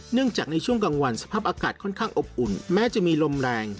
จากในช่วงกลางวันสภาพอากาศค่อนข้างอบอุ่นแม้จะมีลมแรง